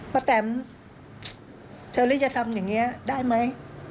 พระแต่มเชอรี่จะทำอย่างเงี้ยได้ไหม